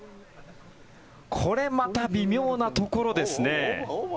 これまた微妙なところですね。